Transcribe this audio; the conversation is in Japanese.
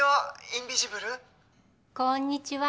インビジブルこんにちは